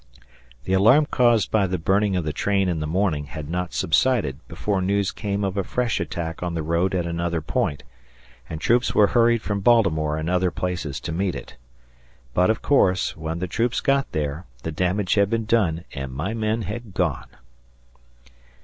The alarm caused by the burning of the train in the morning had not subsided before news came of a fresh attack on the road at another point, and troops were hurried from Baltimore and other places to meet it. But, of course, when the troops got there, the damage had been done and my men had gone.